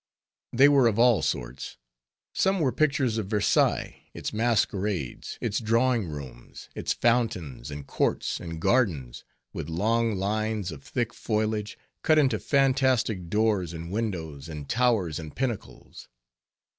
They were of all sorts. Some were pictures of Versailles, its masquerades, its drawing rooms, its fountains, and courts, and gardens, with long lines of thick foliage cut into fantastic doors and windows, and towers and pinnacles.